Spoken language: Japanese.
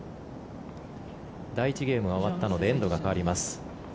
第１ゲームが終わったのでエンドが変わります。